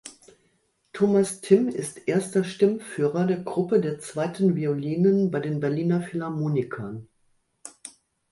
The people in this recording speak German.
Thomas Timm ist Erster Stimmführer der Gruppe der Zweiten Violinen bei den Berliner Philharmonikern.